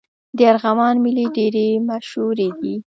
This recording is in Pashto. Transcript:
د ارغوان میلې ډېرې مشهورې دي.